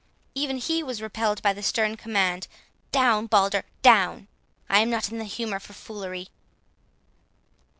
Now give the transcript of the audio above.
Even he was repelled by the stern command, "Down, Balder, down! I am not in the humour for foolery."